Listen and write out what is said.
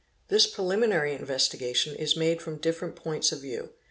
This prelimi nary investigation is made from different points of view.